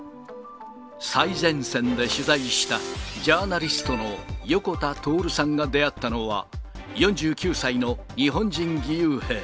最前線で取材したジャーナリストの横田徹さんが出会ったのは、４９歳の日本人義勇兵。